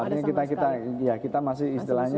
belum artinya kita masih